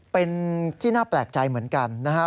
เป็นที่น่าแปลกใจเหมือนกันนะครับ